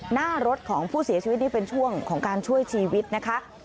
หน้ารถของผู้เสียชีวิตนี่เป็นช่วงของการช่วยชีวิตนะคะ